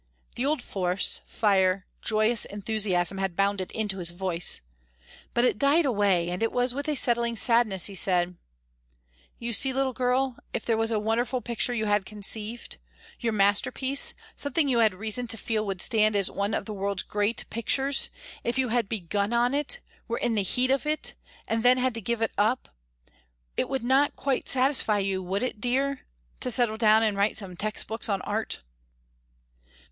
The old force, fire, joyous enthusiasm had bounded into his voice. But it died away, and it was with a settling to sadness he said, "You see, little girl, if there was a wonderful picture you had conceived your masterpiece, something you had reason to feel would stand as one of the world's great pictures, if you had begun on it, were in the heat of it, and then had to give it up, it would not quite satisfy you, would it, dear, to settle down and write some textbooks on art?"